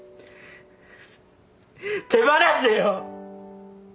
手放せよ！